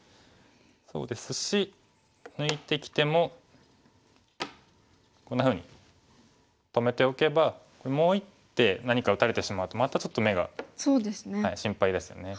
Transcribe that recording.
そうですし抜いてきてもこんなふうに止めておけばもう一手何か打たれてしまうとまたちょっと眼が心配ですよね。